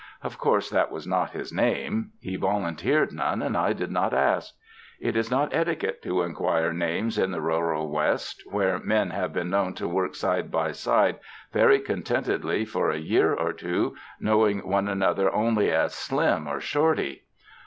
Of course, that was not his name. He volunteered none and I did not ask. It is not eti quette to inquire names in the rural West, wheic men have been known to work side by side very coii tentedly for a year or two, knowing one another only as "Slim" or "Shorty."